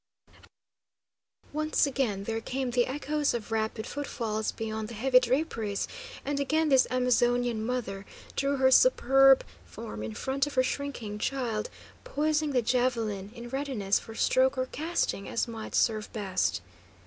Once again there came the echoes of rapid foot falls beyond the heavy draperies, and again this Amazonian mother drew her superb form in front of her shrinking child, poising the javelin in readiness for stroke or casting, as might serve best.